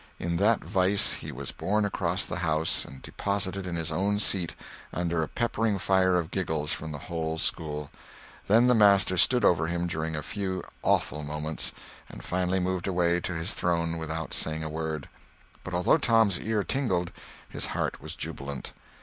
In that wise he was borne across the house and deposited in his own seat, under a peppering fire of giggles from the whole school. Then the master stood over him during a few awful moments, and finally moved away to his throne without saying a word. But although Tom's ear tingled, his heart was jubilant.